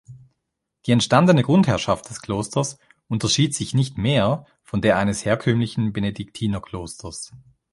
Die entstandene Grundherrschaft des Klosters unterschied sich nicht mehr von der eines herkömmlichen Benediktinerklosters.